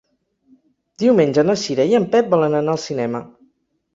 Diumenge na Cira i en Pep volen anar al cinema.